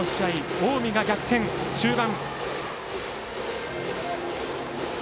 近江が逆転、終盤。